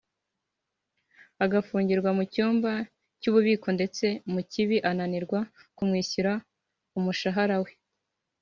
agafungirwa mu cyumba cy’ububiko ndetse Mukibi anananirwa kumwishyura umushahara we”